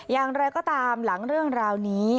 อย่างไรก็ตามหลังเรื่องราวนี้